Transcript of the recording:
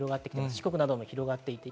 四国にも広がっています。